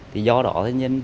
thì do đó nên